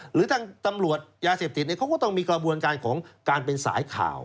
หรือทางตำรวจยาเสพติดเขาก็ต้องมีกระบวนการของการเป็นสายข่าว